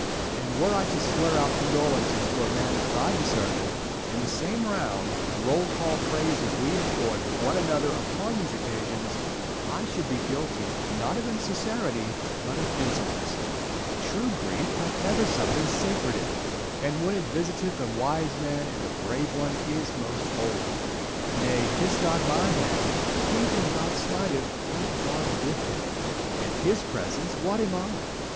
And were I to swear out condol ences to a man of thy discernment, in the same round, roll call phrases we employ with one another upon these occasions, I should be guilty, not of insincerity, but of insolence. True grief hath ever something sacred in it ; and, when it visiteth a wise man and a brave one, is most holy. Nay, kiss not my hand : he whom God smiteth hath God with him. In his presence what am 1 1 Spenser.